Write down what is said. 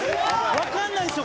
わかんないっすよ